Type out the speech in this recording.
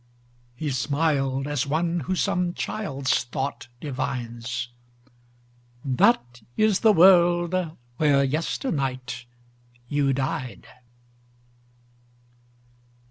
He smiled as one who some child's thought divines: "That is the world where yesternight you died."